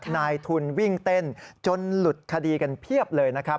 นายทุนวิ่งเต้นจนหลุดคดีกันเพียบเลยนะครับ